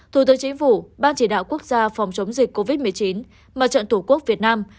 thủ tướng chính phủ ban chỉ đạo quốc gia phòng chống dịch covid một mươi chín mặt trận tổ quốc việt nam